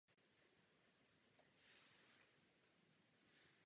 Mnohokrát se na jejím hrobě děly zázraky.